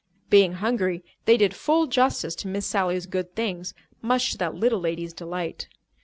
Being hungry, they did full justice to Miss Sally's good things, much to that little lady's delight.